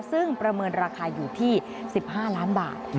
ซึ่งประเมินราคาอยู่ที่๑๕ล้านบาท